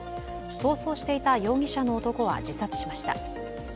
逃走していた容疑者の男は自殺しました。